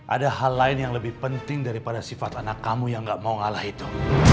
ada hal lain yang lebih penting daripada sifat anak kamu yang gak mau ngalah itu